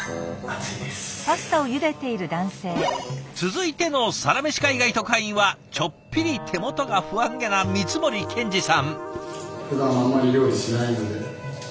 続いてのサラメシ海外特派員はちょっぴり手元が不安げな光森健二さん。